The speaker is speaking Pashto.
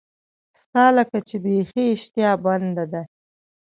ستا لکه چې بیخي اشتها بنده ده.